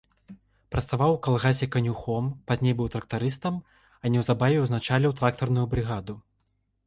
Працаваў у калгасе канюхом, пазней быў трактарыстам, а неўзабаве ўзначаліў трактарную брыгаду.